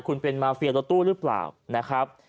คุณเป็นมาเฟียรัตตู้หรือเปล่า